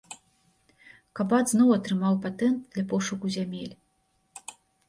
Кабат зноў атрымаў патэнт для пошуку зямель.